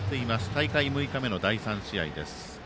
大会６日目の第３試合。